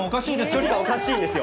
距離感おかしいんですよ。